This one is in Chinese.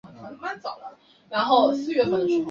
草莓听说不错